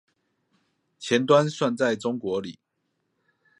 前端算在中國裡